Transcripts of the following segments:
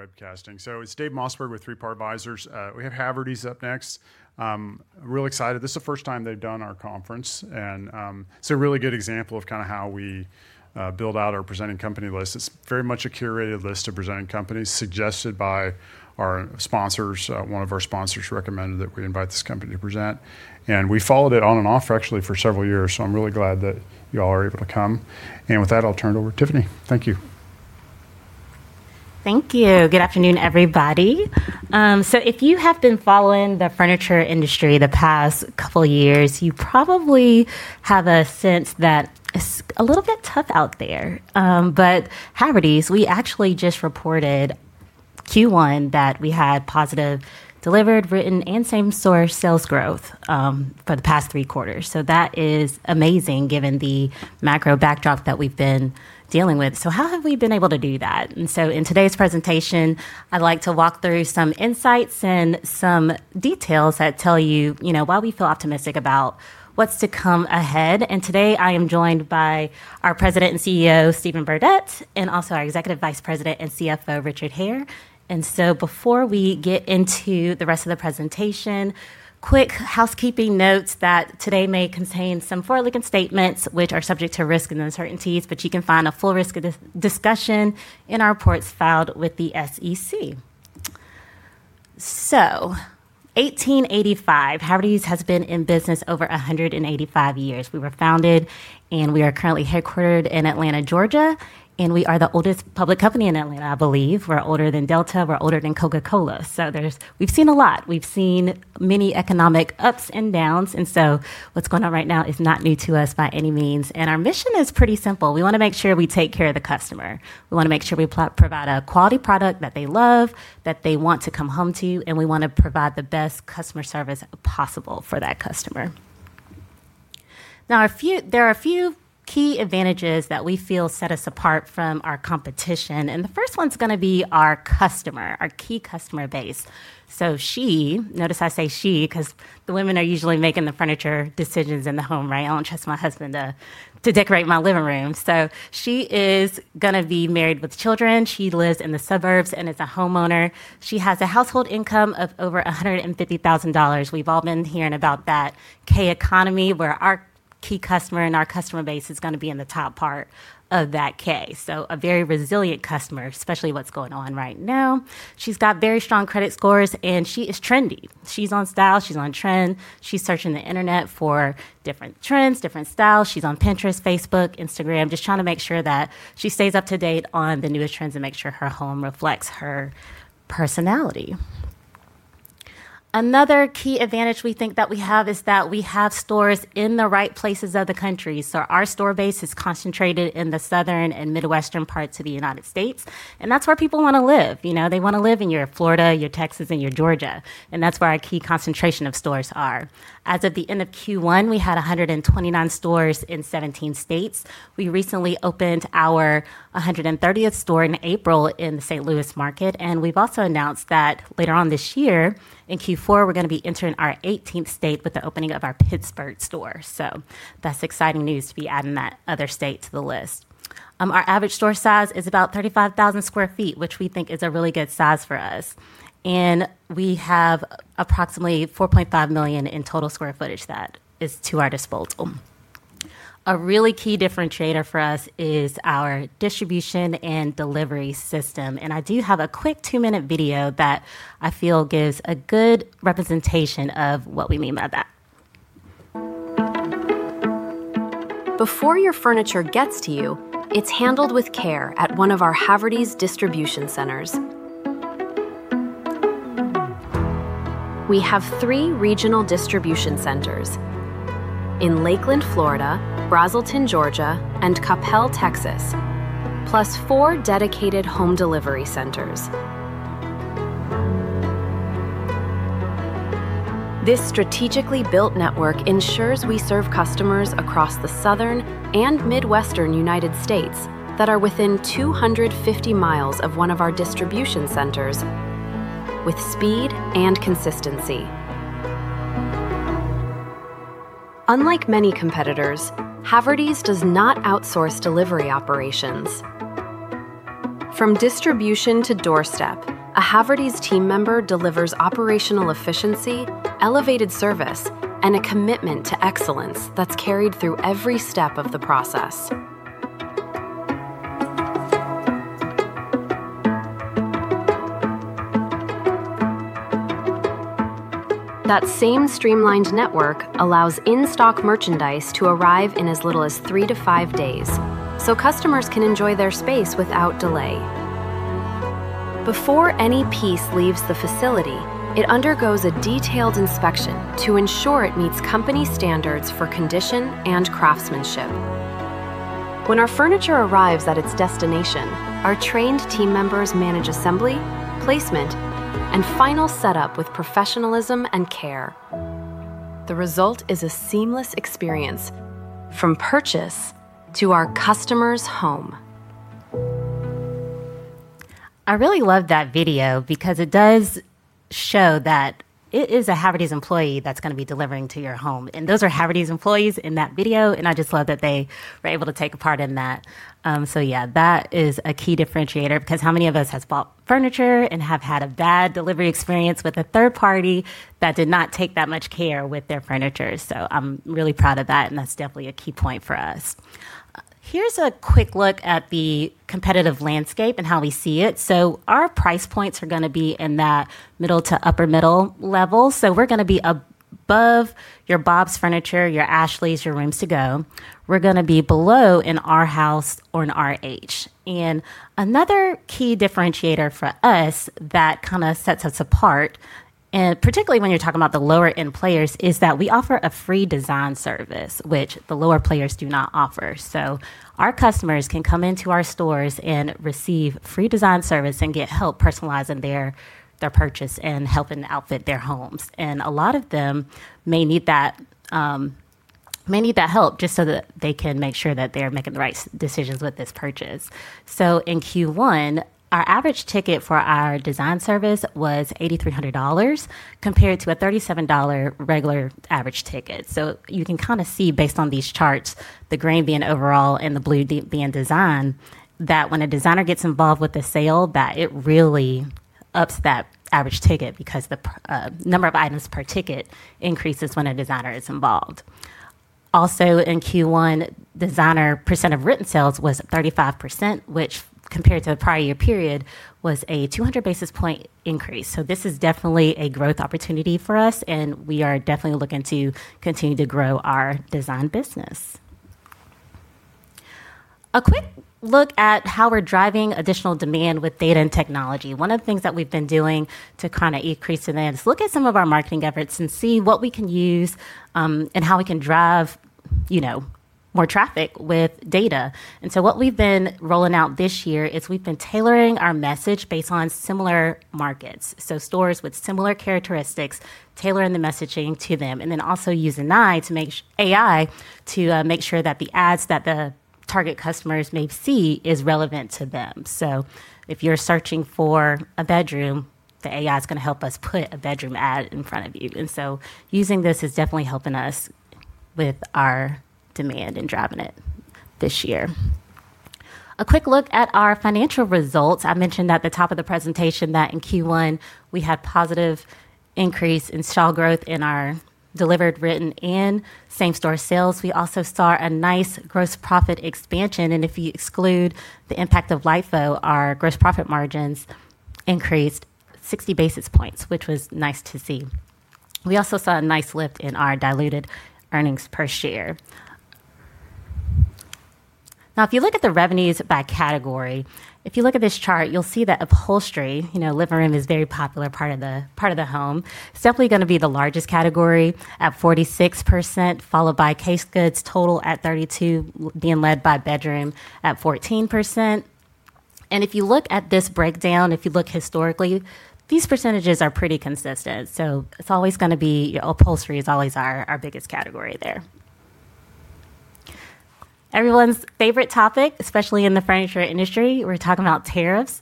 Our webcasting. It's Dave Mossberg with Three Part Advisors. We have Haverty's up next. Really excited. This is the first time they've done our conference, and it's a really good example of how we build out our presenting company list. It's very much a curated list of presenting companies suggested by our sponsors. One of our sponsors recommended that we invite this company to present, and we followed it on and off actually, for several years. I'm really glad that you all are able to come. With that, I'll turn it over to Tiffany. Thank you. Thank you. Good afternoon, everybody. If you have been following the furniture industry the past couple of years, you probably have a sense that it's a little bit tough out there. Haverty's, we actually just reported Q1, that we had positive delivered, written, and same-store sales growth for the past three quarters. That is amazing, given the macro backdrop that we've been dealing with. How have we been able to do that? In today's presentation, I'd like to walk through some insights and some details that tell you why we feel optimistic about what's to come ahead. Today, I am joined by our President and CEO, Steven Burdette, and also our Executive Vice President and CFO, Richard Hare. Before we get into the rest of the presentation, quick housekeeping notes that today may contain some forward-looking statements, which are subject to risk and uncertainties, but you can find a full risk discussion in our reports filed with the SEC. 1885, Haverty's has been in business for over 185 years. We were founded, and we are currently headquartered in Atlanta, Georgia, and we are the oldest public company in Atlanta, I believe. We're older than Delta, we're older than Coca-Cola. We've seen a lot. We've seen many economic ups and downs, and so what's going on right now is not new to us by any means. Our mission is pretty simple. We want to make sure we take care of the customer. We want to make sure we provide a quality product that they love, that they want to come home to, and we want to provide the best customer service possible for that customer. There are a few key advantages that we feel set us apart from our competition, and the first one's going to be our customer, our key customer base. She, notice I say she, because women are usually making the furniture decisions in the home. I don't trust my husband to decorate my living room. She is going to be married with children. She lives in the suburbs and is a homeowner. She has a household income of over $150,000. We've all been hearing about that K-economy where our key customer and our customer base is going to be in the top part of that K. A very resilient customer, especially what's going on right now. She's got very strong credit scores, and she is trendy. She's on style, she's on trend. She's searching the Internet for different trends, different styles. She's on Pinterest, Facebook, Instagram, just trying to make sure that she stays up to date on the newest trends and makes sure her home reflects her personality. Another key advantage we think that we have is that we have stores in the right places of the country. Our store base is concentrated in the Southern and Midwestern parts of the U.S., and that's where people want to live. They want to live in your Florida, your Texas, and your Georgia, and that's where our key concentration of stores are. As of the end of Q1, we had 129 stores in 17 states. We recently opened our 130th store in April in the St. Louis market, and we've also announced that later on this year, in Q4, we're going to be entering our 18th state with the opening of our Pittsburgh store. That's exciting news to be adding that other state to the list. Our average store size is about 35,000 sq ft, which we think is a really good size for us. We have approximately 4.5 million in total square feet that is to our disposal. A really key differentiator for us is our distribution and delivery system, and I do have a quick two-minute video that I feel gives a good representation of what we mean by that. Before your furniture gets to you, it's handled with care at one of our Haverty's distribution centers. We have three regional distribution centers in Lakeland, Florida, Braselton, Georgia, and Coppell, Texas, plus four dedicated home delivery centers. This strategically built network ensures we serve customers across the Southern and Midwestern U.S. that are within 250 mi of one of our distribution centers with speed and consistency. Unlike many competitors, Haverty's does not outsource delivery operations. From distribution to doorstep, a Haverty's team member delivers operational efficiency, elevated service, and a commitment to excellence that's carried through every step of the process. That same streamlined network allows in-stock merchandise to arrive in as little as three to five days, so customers can enjoy their space without delay. Before any piece leaves the facility, it undergoes a detailed inspection to ensure it meets company standards for condition and craftsmanship. When our furniture arrives at its destination, our trained team members manage assembly, placement, and final setup with professionalism and care. The result is a seamless experience from purchase to our customer's home. I really love that video because it does show that it is a Haverty's employee that's going to be delivering to your home, and those are Haverty's employees in that video, and I just love that they were able to take part in that. Yeah, that is a key differentiator because how many of us have bought furniture and have had a bad delivery experience with a third party that did not take that much care with their furniture? I'm really proud of that, and that's definitely a key point for us. Here's a quick look at the competitive landscape and how we see it. Our price points are going to be in the middle to upper-middle level. We're going to be above your Bob's Furniture, your Ashley, your Rooms To Go. We're going to be below an Arhaus or an RH. Another key differentiator for us that kind of sets us apart, and particularly when you're talking about the lower-end players, is that we offer a free design service, which the lower players do not offer. Our customers can come into our stores and receive free design service and get help personalizing their purchase, and help to outfit their homes. A lot of them may need that help just so that they can make sure that they're making the right decisions with this purchase. In Q1, our average ticket for our design service was $8,300 compared to a $37 regular average ticket. You can kind of see, based on these charts, the green being overall and the blue being design, that when a designer gets involved with the sale, that it really ups that average ticket because the number of items per ticket increases when a designer is involved. Also in Q1, designer percent of written sales was 35%, which compared to the prior year period was a 200 basis point increase. This is definitely a growth opportunity for us, and we are definitely looking to continue to grow our design business. A quick look at how we're driving additional demand with data and technology. One of the things that we've been doing to kind of increase demand is look at some of our marketing efforts and see what we can use, and how we can drive more traffic with data. What we've been rolling out this year is we've been tailoring our message based on similar markets, so stores with similar characteristics, tailoring the messaging to them. Also using AI to make sure that the ads that the target customers may see is relevant to them. If you're searching for a bedroom, the AI's going to help us put a bedroom ad in front of you. Using this is definitely helping us with our demand and driving it this year. A quick look at our financial results. I mentioned at the top of the presentation that in Q1, we had a positive increase in store growth in our delivered, written, and same-store sales. We also saw a nice gross profit expansion, and if you exclude the impact of LIFO, our gross profit margins increased 60 basis points, which was nice to see. We also saw a nice lift in our diluted earnings per share. If you look at the revenues by category, if you look at this chart, you'll see that upholstery, living room, is a very popular part of the home. It's definitely going to be the largest category at 46%, followed by case goods total at 32%, being led by bedroom at 14%. If you look at this breakdown, if you look historically, these percentages are pretty consistent. Upholstery is always our biggest category there. Everyone's favorite topic, especially in the furniture industry, we're talking about tariffs.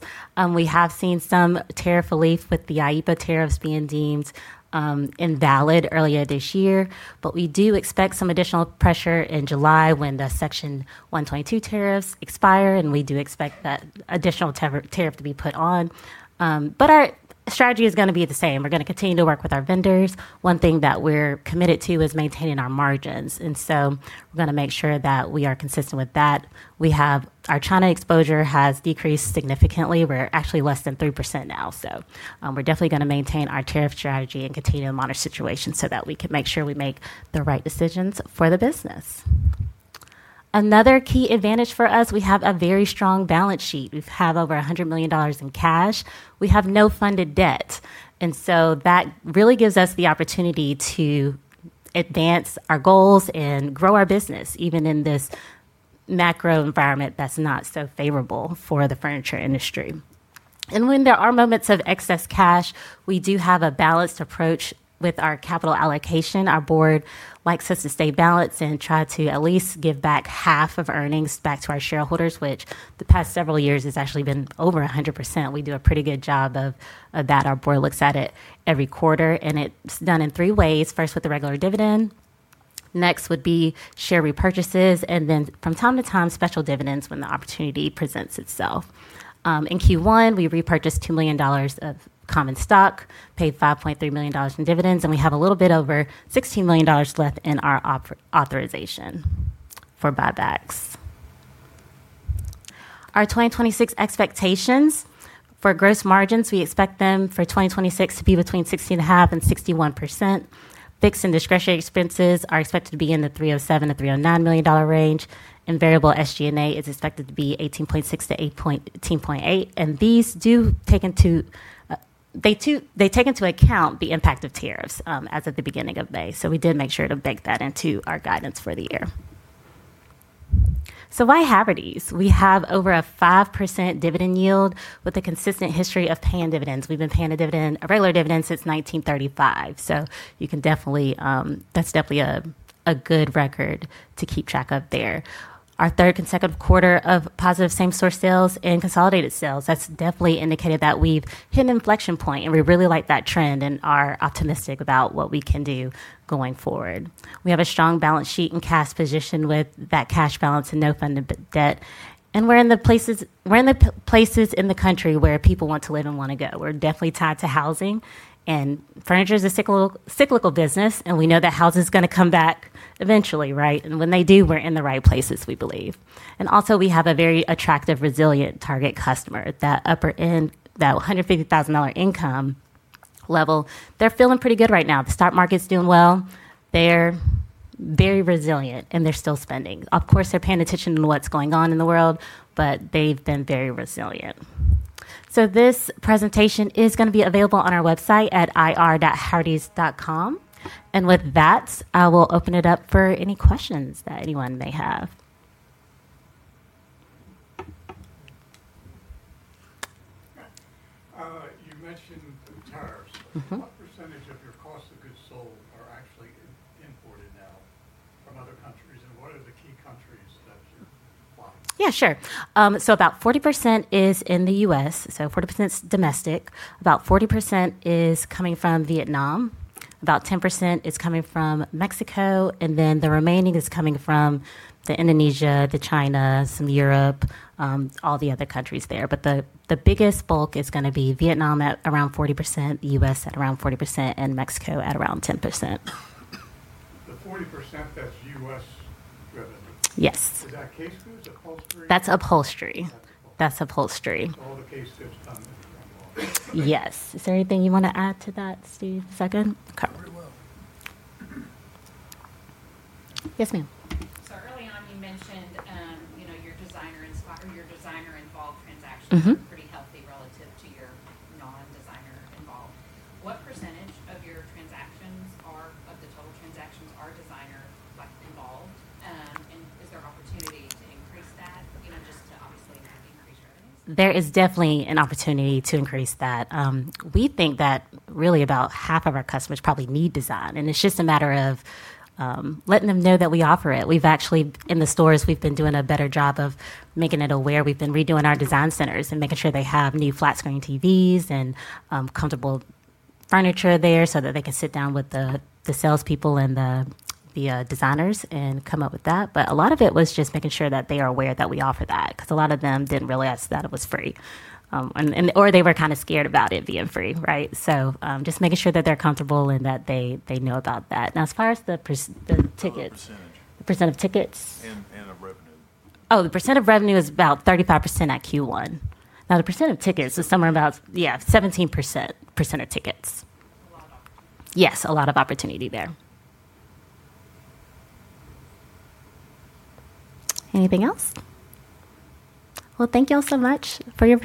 We have seen some tariff relief with the IEEPA tariffs being deemed invalid earlier this year. We do expect some additional pressure in July when the Section 122 tariffs expire, and we do expect that additional tariff to be put on. Our strategy is going to be the same. We're going to continue to work with our vendors. One thing that we're committed to is maintaining our margins; we're going to make sure that we are consistent with that. Our China exposure has decreased significantly. We're actually less than 3% now. We're definitely going to maintain our tariff strategy and continue to monitor the situation so that we can make sure we make the right decisions for the business. Another key advantage for us, we have a very strong balance sheet. We have over $100 million in cash. We have no funded debt, that really gives us the opportunity to advance our goals and grow our business, even in this macro environment that's not so favorable for the furniture industry. When there are moments of excess cash, we do have a balanced approach with our capital allocation. Our board likes us to stay balanced and try to at least give back half of our earnings back to our shareholders, which in the past several years has actually been over 100%. We do a pretty good job of that. Our board looks at it every quarter; it's done in three ways. First, with a regular dividend, next would be share repurchases, from time to time, special dividends when the opportunity presents itself. In Q1, we repurchased $2 million of common stock, paid $5.3 million in dividends, and we have a little bit over $16 million left in our authorization for buybacks. Our 2026 expectations for gross margins we expect them for 2026 to be between 60.5% and 61%. Fixed and discretionary expenses are expected to be in the $307 million-$309 million range; variable SG&A is expected to be 18.6%-18.8%. These do take into account the impact of tariffs, as of the beginning of May. We did make sure to bake that into our guidance for the year. Why Haverty's? We have over a 5% dividend yield with a consistent history of paying dividends. We've been paying a regular dividend since 1935; that's definitely a good record to keep track of there. Our third consecutive quarter of positive same-store sales and consolidated sales definitely indicates that we've hit an inflection point, and we really like that trend and are optimistic about what we can do going forward. We have a strong balance sheet and cash position, with that cash balance and no funded debt. We're in the places in the country where people want to live and want to go. We're definitely tied to housing, and furniture is a cyclical business. We know that houses are going to come back eventually, right? When they do, we're in the right places, we believe. Also, we have a very attractive, resilient target customer. That upper end, that $150,000 income level, they're feeling pretty good right now. The stock market's doing well. They're very resilient, and they're still spending. Of course, they're paying attention to what's going on in the world, but they've been very resilient. This presentation is going to be available on our website at ir.havertys.com. With that, I will open it up for any questions that anyone may have. You mentioned tariffs. What percentage of your cost of goods sold are actually imported now from other countries, and what are the key countries that you're buying from? Yeah, sure. About 40% is in the U.S., so 40% is domestic. About 40% is coming from Vietnam. About 10% is coming from Mexico. The remaining is coming from Indonesia, China, some Europe, all the other countries there. The biggest bulk is going to be Vietnam at around 40%, the U.S. at around 40%, and Mexico at around 10%. The 40% that's U.S. revenue. Yes. Is that case goods, upholstery? That's upholstery. That's upholstery. That's upholstery. All the case goods come in from overseas. Yes. Is there anything you want to add to that, Steve, second cover? I agree with that. Yes, ma'am. Early on, you mentioned your designer-involved transactions. Were pretty healthy relative to your non-designer involved. What percentage of the total transactions are designer- like, involved? Is there an opportunity to increase that, just to obviously increase your earnings? There is definitely an opportunity to increase that. We think that really about half of our customers probably need design, and it's just a matter of letting them know that we offer it. We've actually, in the stores, we've been doing a better job of making it aware. We've been redoing our design centers and making sure they have new flat-screen TVs and comfortable furniture there so that they can sit down with the salespeople and the designers and come up with that. A lot of it was just making sure that they are aware that we offer that, because a lot of them didn't realize that it was free. They were kind of scared about it being free, right? Just making sure that they're comfortable and that they know about that. As far as the tickets. What percentage? Percent of tickets? Of revenue. Oh, the percent of revenue is about 35% at Q1. The percent of tickets is somewhere about, yeah, 17%, percent of tickets. A lot of opportunities. Yes, a lot of opportunities there. Anything else? Well, thank you all so much for your.